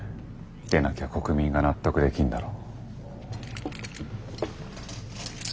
でなきゃ国民が納得できんだろ。